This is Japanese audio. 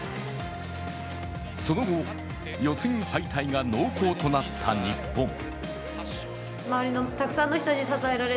その後、予選敗退が濃厚となった日本。